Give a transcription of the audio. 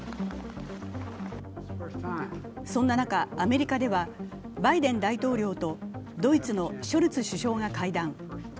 そんな中、アメリカではバイデン大統領とドイツのショルツ首相が会談。